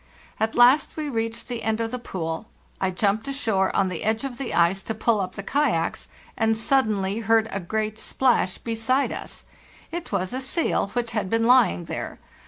At last we reached the end of the pool; I jumped ashore on the edge of the ice, to pull up the kayaks, and suddenly heard a great splash beside us. It was a seal which had been lying there.